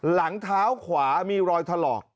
หลังเท้าขวามีรอยถลอก